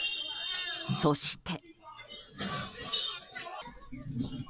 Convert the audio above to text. そして。